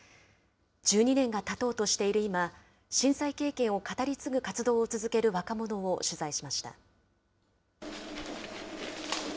１２年がたとうとしている今、震災経験を語り継ぐ活動を続ける若者を取材しました。